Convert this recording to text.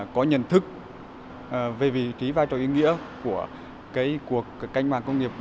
có nhận thức về vị trí vai trò ý nghĩa của cái cạnh mạng công nghiệp bốn